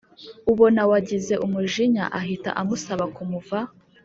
ubona wagize umujinya ahta amusaba kumuva